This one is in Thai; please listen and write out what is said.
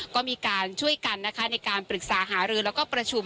ก็มีการช่วยกันนะคะในการปรึกษาหารือแล้วก็ประชุม